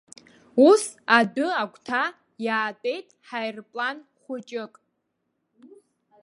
Ус, адәы агәҭа иаатәеит ҳаирплан хәыҷык.